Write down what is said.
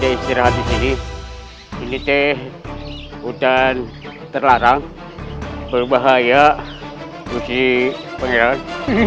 iya gue sih pangeran sebaiknya kita tidak istirahat disini ini teh hutan terlarang berbahaya gue si pangeran